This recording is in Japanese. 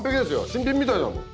新品みたいだもん。